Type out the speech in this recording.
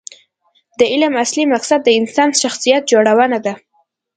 د علم اصلي مقصد د انسان شخصیت جوړونه ده.